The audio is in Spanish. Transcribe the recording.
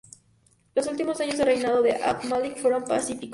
Los últimos años de reinado de Abd al-Málik fueron pacíficos.